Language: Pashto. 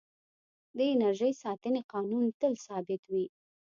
د انرژۍ ساتنې قانون تل ثابت وي.